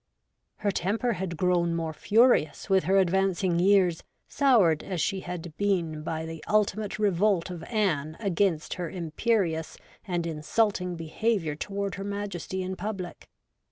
Her temper had grown more furious with her advancing years, soured as she had been by the ultimate revolt of Anne against her imperious and insulting behaviour toward her Majesty in public.